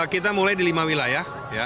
kita mulai di lima wilayah